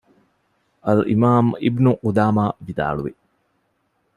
އަލްއިމާމު އިބްނުޤުދާމާ ވިދާޅުވި